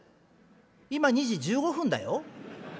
今２時１５分だよ。